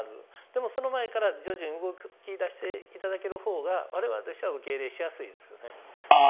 でも、その前から徐々に動きだしていただけるほうが、われわれとしては受け入れしやすいですよね。